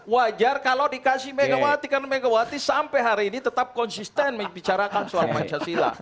wajar kalau dikasih megawati karena megawati sampai hari ini tetap konsisten membicarakan soal pancasila